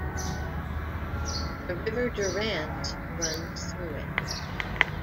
The river Durance runs through it.